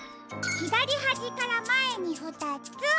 ひだりはじからまえにふたつ。